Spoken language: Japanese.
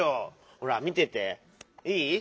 ほら見てていい？